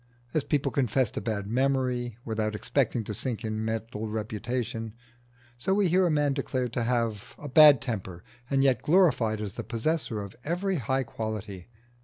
As people confess to bad memory without expecting to sink in mental reputation, so we hear a man declared to have a bad temper and yet glorified as the possessor of every high quality.